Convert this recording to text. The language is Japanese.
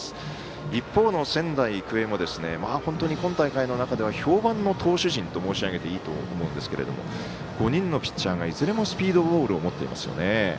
一方の仙台育英も本当に今大会の中では評判の投手陣と申し上げていいと思いますが５人のピッチャーがいずれもスピードボールを持っています。